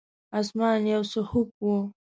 اسمان یو څه خوپ و.